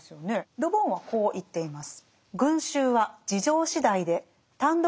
ル・ボンはこう言っています。